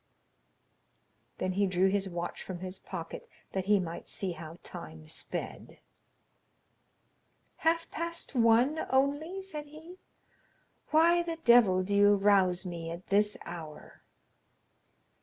Then he drew his watch from his pocket, that he might see how time sped. "Half past one only?" said he. "Why the devil do you rouse me at this hour?"